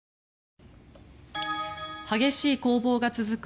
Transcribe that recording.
激しい攻防が続く